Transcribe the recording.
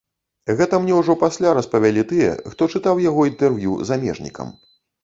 Гэта мне ўжо пасля распавялі тыя, хто чытаў яго інтэрв'ю замежнікам.